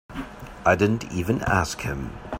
I didn't even ask him.